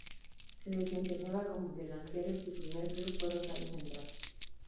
Se desempeñaba como delantero y su primer club fue Rosario Central.